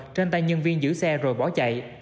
trên tay nhân viên giữ xe rồi bỏ chạy